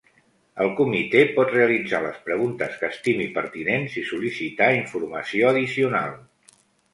El Comitè pot realitzar les preguntes que estimi pertinents i sol·licitar informació addicional.